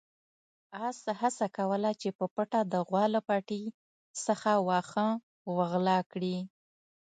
اس هڅه کوله چې په پټه د غوا له پټي څخه واښه وغلا کړي.